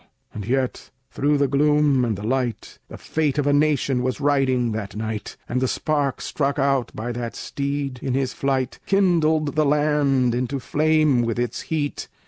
And yet, through the gloom and the light, The fate of a nation was riding that night; And the spark struck out by that steed, in his flight, Kindled the land into flame with its heat.